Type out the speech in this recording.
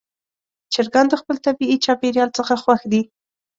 چرګان د خپل طبیعي چاپېریال څخه خوښ دي.